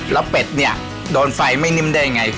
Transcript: แล้วเป็ดเนี่ยโดนไฟไม่นิ่มได้ยังไง